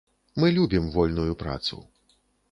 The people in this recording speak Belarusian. Мы любім вольную працу.